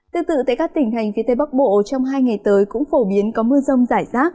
tương tự tại các tỉnh thành phía tây bắc bộ trong hai ngày tới cũng phổ biến có mưa rông rải rác